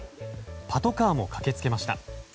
パトカーも駆けつけました。